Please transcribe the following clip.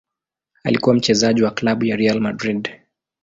Alikuwa mchezaji wa klabu ya Real Madrid.